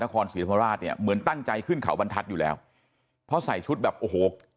นครศรีธรรมราชเนี่ยเหมือนตั้งใจขึ้นเขาบรรทัศน์อยู่แล้วเพราะใส่ชุดแบบโอ้โห